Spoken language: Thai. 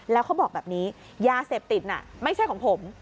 แล้วเขาบอกแบบนี้ยาเสพติดน่ะไม่ใช่ของผม